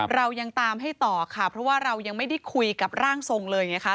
เรายังตามให้ต่อค่ะเพราะว่าเรายังไม่ได้คุยกับร่างทรงเลยไงคะ